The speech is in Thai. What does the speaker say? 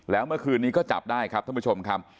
แล้วเมื่อคืนนี้ก็จับได้ครับท่านผู้ชมครับ